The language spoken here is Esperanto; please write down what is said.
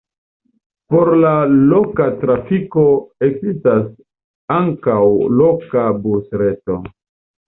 Por la loka trafiko ekzistas ankaŭ loka busreto.